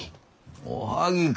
おはぎか。